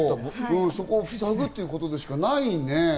そこを塞ぐっていうことしかないね。